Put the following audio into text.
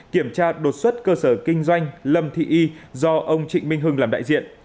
kiểm tra đột xuất cơ sở kinh doanh lâm thị y do ông trịnh minh hưng làm đại diện